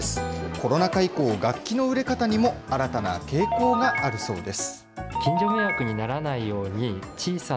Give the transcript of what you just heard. コロナ禍以降、楽器の売れ方にも新たな傾向があるそうです。